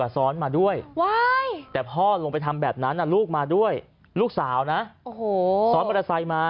ทำไมทำแบบนี้อ่ะไม่สงสารอ่ะ